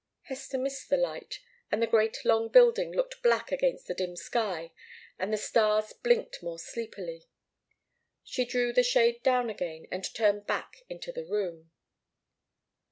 Hester missed the light, and the great long building looked black against the dim sky, and the stars blinked more sleepily. She drew the shade down again and turned back into the room.